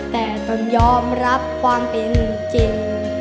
แต่ต้องยอมรับความเป็นจริง